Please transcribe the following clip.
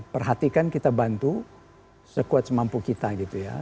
perhatikan kita bantu sekuat semampu kita gitu ya